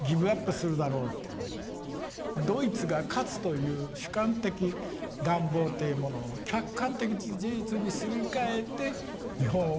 ドイツが勝つという主観的願望というものを客観的事実にすり替えて日本は戦争をする。